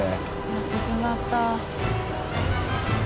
やってしまった。